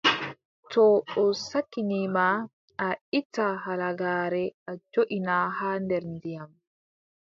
To o sakkini ma, a itta halagaare a joʼina haa nder ndiyam.